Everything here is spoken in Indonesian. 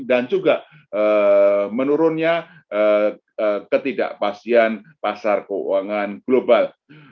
juga menurunnya ketidakpastian pasar keuangan global